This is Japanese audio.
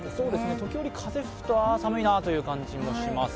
時折、風が吹くと、あ、寒いなという感じがします。